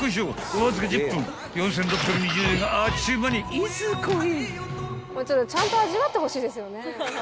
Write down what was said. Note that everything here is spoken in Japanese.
［わずか１０分４，６２０円があっちゅう間にいずこへ］